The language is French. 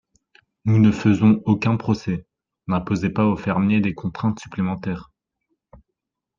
Nous ne faisons aucun procès ! N’imposez pas au fermier des contraintes supplémentaires.